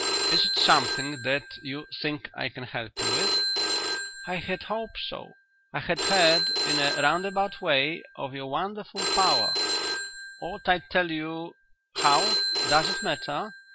"Is it something that you think I can help you with?" "I had hoped so. I had heard in a roundabout way of your wonderful power ought I to tell you how does it matter?"